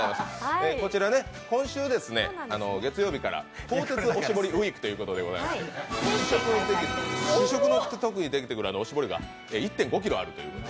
こちら、今週月曜日から鋼鉄のおしぼりウイークということで試食のときに出てくるおしぼりが１．５ｋｇあるという。